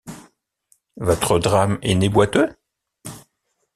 Votre drame est né boiteux?